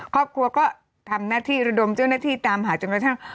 ครอบครัวก็ทำหน้าที่ระดมเจ้าหน้าที่ตามหาจนกระทั่ง